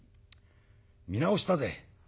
見直したぜ。